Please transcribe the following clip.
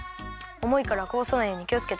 おもいからこぼさないようにきをつけて。